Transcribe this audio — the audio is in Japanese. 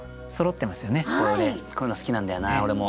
こういうの好きなんだよな俺も。